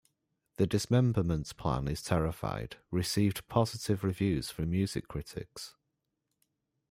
"The Dismemberment Plan Is Terrified" received positive reviews from music critics.